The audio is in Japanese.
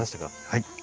はい。